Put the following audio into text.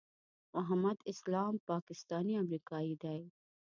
محمد اسلام پاکستانی امریکایی دی.